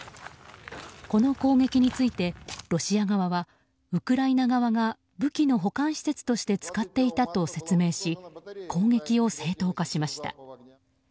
この攻撃についてロシア側は、ウクライナ側が武器の保管施設として使っていたと説明し攻撃を正当化しました。